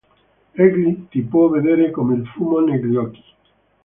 Egli ti può vedere come il fumo negli occhi.